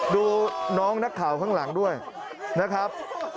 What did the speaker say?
ดูน้องนักข่าวข้างหลังด้วยนะครับ